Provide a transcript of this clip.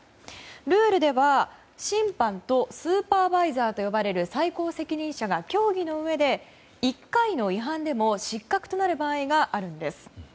ルールでは審判とスーパーバイザーと呼ばれる最高責任者が協議のうえで１回の違反でも失格となる場合があるんです。